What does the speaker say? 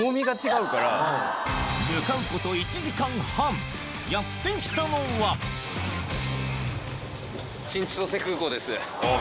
向かうことやって来たのは新千歳空港です。